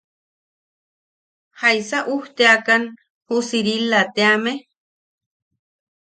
¿Jaisa ujteakan ju Sirila teame?